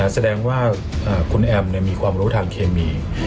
แสดงว่าคุณแอมมีความรู้ทางเคมี